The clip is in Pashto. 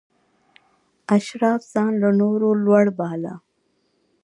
اشراف ځان له نورو لوړ باله.